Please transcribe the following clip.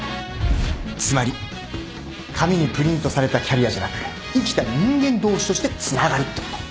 つまり紙にプリントされたキャリアじゃなく生きた人間同士としてつながるってこと